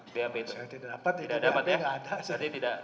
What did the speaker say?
saya tidak dapat bap tidak ada